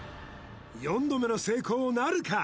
４度目の成功なるか？